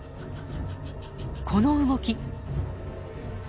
この動き。